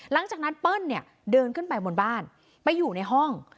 หลังจากนั้นเปิ้ลเนี่ยเดินขึ้นไปบนบ้านไปอยู่ในห้อง